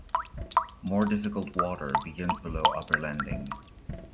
More difficult water begins below Upper Landing.